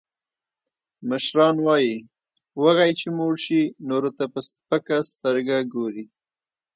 مشران وایي: وږی چې موړ شي، نورو ته په سپکه سترګه ګوري.